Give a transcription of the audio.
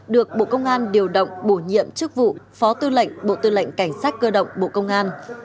được bộ công an điều động bổ nhiệm chức vụ phó tư lệnh bộ tư lệnh cảnh sát cơ động bộ công an